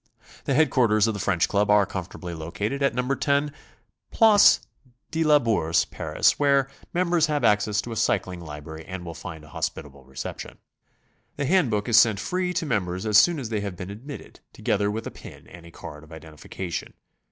The headquarters of the French Club are comfortably located at No, 10 Place de la 92 GOING ABROAD? r Bourse, Paris, where members have access to a cycling library and will find a hospitable reception. The hand book is sent free to members as soon as they have been admitted, together with a pin and a card of identification.